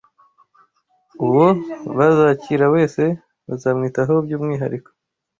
uwo bazakira wese bazamwitaho by’ umwihariko